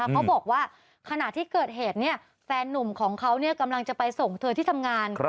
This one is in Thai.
เขาบอกว่าขณะที่เกิดเหตุแฟนนุ่มของเขากำลังจะไปส่งเธอที่ทำงาน